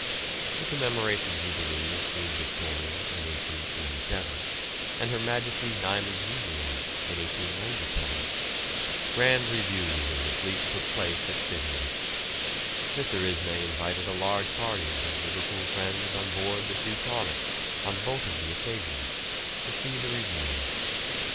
To commemorate the Jubilee of Queen Victoria in 1887, and Her Majesty's Diamond Jubilee in 1897, grand reviews of the fleet took place at Spithead. Mr. Ismay invited a large party of his Liverpool friends on board the "Teutonic" on both of the occasions to see the reviews.